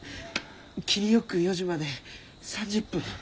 切りよく４時まで３０分。